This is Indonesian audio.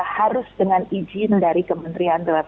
harus dengan izin dari kementerian